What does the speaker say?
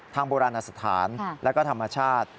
โบราณสถานและก็ธรรมชาติ